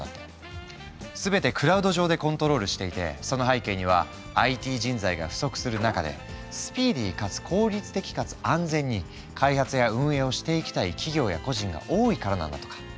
全てクラウド上でコントロールしていてその背景にはＩＴ人材が不足する中でスピーディーかつ効率的かつ安全に開発や運営をしていきたい企業や個人が多いからなんだとか。